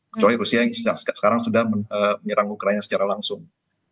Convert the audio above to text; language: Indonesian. kecuali rusia yang sekarang sudah menyerang ukraina secara langsung